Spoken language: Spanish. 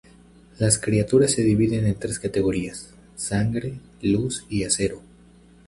Las criaturas se dividen en tres categorías: "Sangre", "Luz" y "Acero".